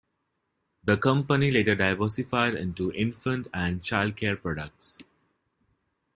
The company later diversified into infant and child care products.